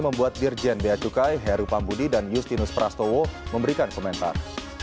membuat dirjen bia cukai heru pambudi dan justinus prastowo memberikan komentar